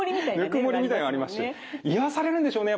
ぬくもりみたいのありますし癒やされるんでしょうね